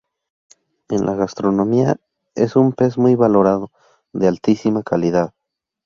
En la gastronomía es un pez muy valorado, de altísima calidad.